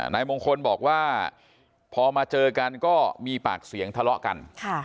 นายมงคลบอกว่าพอมาเจอกันก็มีปากเสียงทะเลาะกัน